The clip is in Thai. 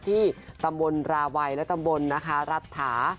ที่ตำรวจราวัยและตำรวจรัฐา